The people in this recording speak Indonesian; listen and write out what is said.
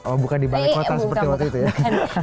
oh bukan di balai kota seperti waktu itu ya